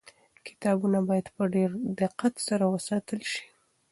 کتابونه باید په ډېر دقت سره وساتل سي.